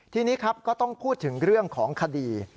ทีนี้ครับก็ต้องพูดถึงเรื่องของคดี